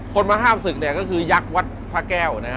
คนมาห้ามศึกเนี่ยก็คือยักษ์วัดพระแก้วนะฮะ